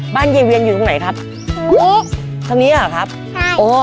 บ้านเย้าเวียนอยู่ตรงไหนครับตรงนี้ตรงนี้เหรอครับใช่โอ้